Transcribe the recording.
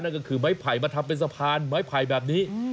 นั่นก็คือไม้ไผ่มาทำเป็นสะพานไม้ไผ่แบบนี้